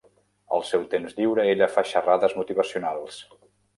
Al seu temps lliure ella fa xerrades motivacionals.